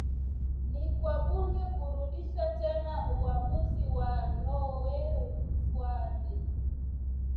ni kwa bunge kurudisha tena uwamuzi wa Roe V Wade